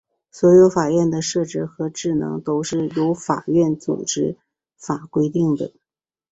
所有法院的设置和职能都是由法院组织法规定的。